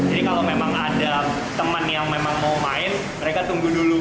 kalau memang ada teman yang memang mau main mereka tunggu dulu